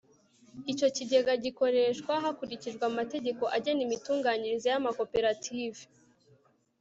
icyo kigega gikoreshywa hakurikijwe amategeko agena imitunganyirize y'amakoperative